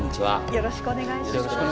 よろしくお願いします。